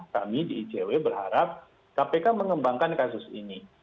kami di icw berharap kpk mengembangkan kasus ini